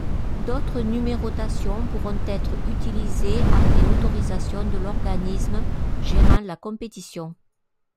D’autres numérotations pourront être utilisées après autorisation de l’organisme gérant la compétition.